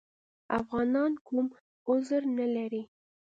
افغانان کوم عذر نه لري.